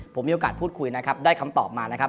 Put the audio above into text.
ผมมีโอกาสพูดคุยนะครับได้คำตอบมานะครับ